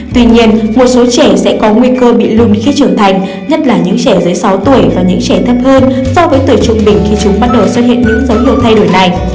tuy nhiên một số trẻ sẽ có nguy cơ bị lùn khi trưởng thành nhất là những trẻ dưới sáu tuổi và những trẻ thấp hơn so với tuổi trung bình khi chúng bắt đầu xuất hiện những dấu hiệu thay đổi này